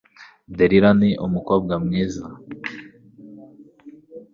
Delira ni umukobwa mwiza